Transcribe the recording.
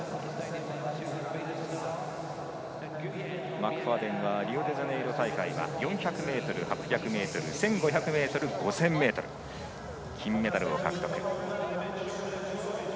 マクファーデンはリオデジャネイロ大会は４００ｍ、８００ｍ１５００ｍ、５０００ｍで金メダルを獲得。